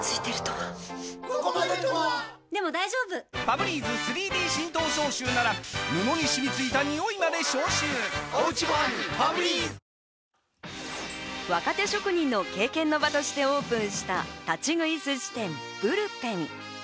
ブルペンではなく、常にマウ若手職人の経験の場としてオープンした立ち食い寿司店・ブルペン。